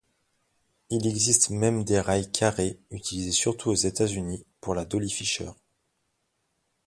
Il existe même des rails carrés utilisés surtout aux États-Unis pour la dolly Fisher.